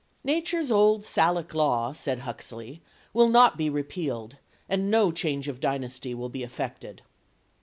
"Nature's old Salic law," said Huxley, "will not be repealed, and no change of dynasty will be effected."